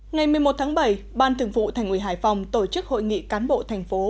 ngày một mươi một tháng bảy ban thường vụ thành ủy hải phòng tổ chức hội nghị cán bộ thành phố